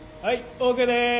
ＯＫです。